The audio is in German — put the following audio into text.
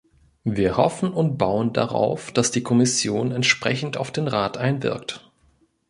Wir hoffen und bauen darauf, dass die Kommission entsprechend auf den Rat einwirkt.